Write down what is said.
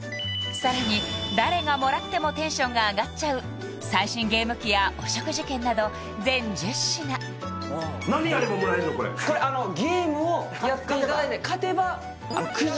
さらに誰がもらってもテンションが上がっちゃう最新ゲーム機やお食事券など全１０品これくじをえーっくじ？